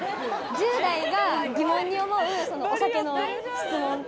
１０代が疑問に思うお酒の質問。